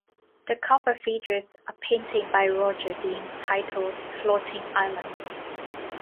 The cover features a painting by Roger Dean titled "Floating Islands".